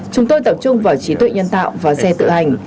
chúng tôi tập trung vào trí tuệ nhân tạo và xe tự hành